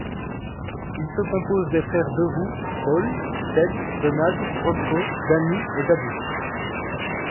Il se compose des frères Devoux Paul, Ted, Donald, Roscoe, Danny, et David.